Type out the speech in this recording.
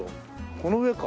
この上か？